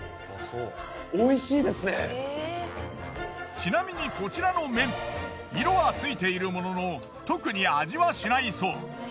ちなみにこちらの麺色はついているものの特に味はしないそう。